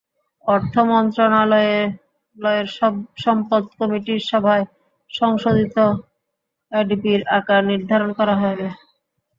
অর্থ মন্ত্রণালয়ের সম্পদ কমিটির সভায় সংশোধিত এডিপির আকার নির্ধারণ করা হবে।